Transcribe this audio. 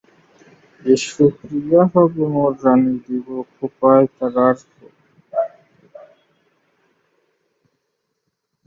তাঁর পুত্র মুহাম্মদ ইয়াকুব নানুতুবি দারুল উলুম দেওবন্দের প্রথম অধ্যক্ষের দায়িত্ব পালন করেছিলেন।